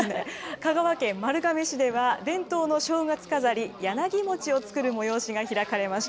香川県丸亀市では、伝統の正月飾り、柳もちを作る催しが開かれました。